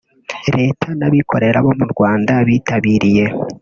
Leta n’abikorera bo mu Rwanda bitabiriye